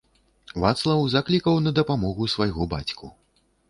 Вацлаў заклікаў на дапамогу свайго бацьку.